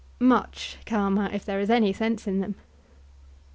Much calmer, if there is any sense in them.